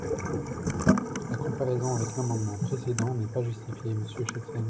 La comparaison avec l’amendement précédent n’est pas justifiée, monsieur Chassaigne.